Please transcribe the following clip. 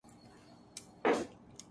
پنجاب کے سرکاری سکولوں میں سکول میل